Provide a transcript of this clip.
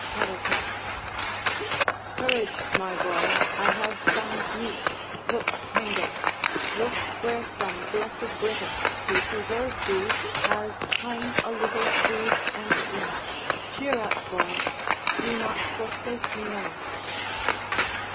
_] Caratach Courage, my boy! I have found meat: look, Hengo, Look where some blessèd Briton, to preserve thee, Has hung a little food and drink: cheer up, boy; Do not forsake me now.